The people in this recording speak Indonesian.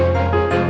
tentu saja gantar